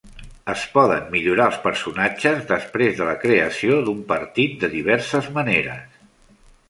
Es poden millorar els personatges després de la creació d'un partit de diverses maneres.